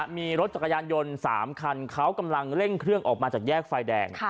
มีรถจักรยานยนต์๓คันเขากำลังเร่งเครื่องออกมาจากแยกไฟแดง